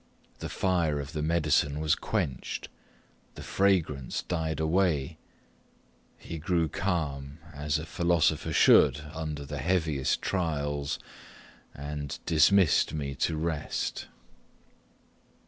The fire of the medicine was quenched the fragrance died away he grew calm, as a philosopher should under the heaviest trials, and dismissed me to rest.